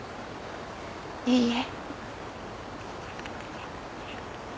いいえ。